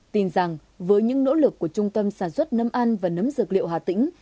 tin rằng với những nỗ lực của trung tâm sản xuất nấm ăn và nấm dược liệu hà tĩnh